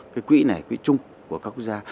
cái quỹ này quỹ chung của các quốc gia